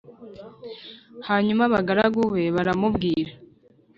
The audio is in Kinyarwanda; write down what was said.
Hanyuma abagaragu be baramubwira